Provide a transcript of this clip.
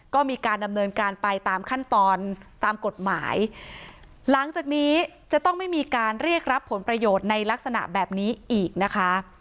ก็มีการดำเนินการไปตามขั้นตอนตามกฎหมายหลังจากนี้จะต้องไม่มีการเรียกรับผลประโยชน์ในลักษณะแบบนี้อีกนะคะ